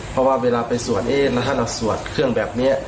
เพราะว่าเวลาไปสวดเอ๊ะแล้วถ้าเราสวดเครื่องแบบนี้